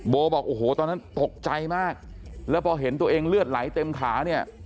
บอกโอ้โหตอนนั้นตกใจมากแล้วพอเห็นตัวเองเลือดไหลเต็มขาเนี่ย